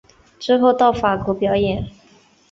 之后到法国表演。